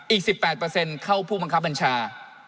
อีก๑๘เข้าผู้บังคับบัญชา